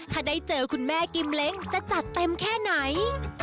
ถ้าได้เจอคุณแม่กิมเล้งจะจัดเต็มแค่ไหน